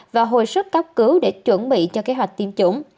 và hồi sức cấp cứu để chuẩn bị cho kế hoạch tiêm chủng